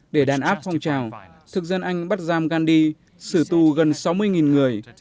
để đàn áp phong trào thực dân anh bắt giam gandhi xử tù gần sáu mươi người